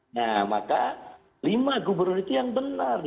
nah maka lima gubernur itu yang benar